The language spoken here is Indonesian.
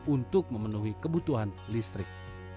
untuk memenuhi kebutuhan listrik